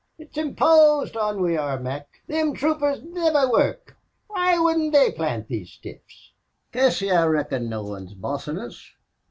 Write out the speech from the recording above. It's imposed on we are, Mac. Thim troopers niver work. Why couldn't they plant these stiffs?" "Casey, I reckon no wan's bossin' us.